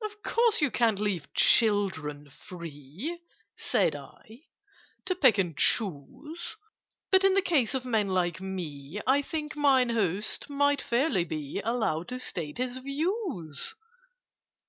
"Of course you can't leave children free," Said I, "to pick and choose: But, in the case of men like me, I think 'Mine Host' might fairly be Allowed to state his views."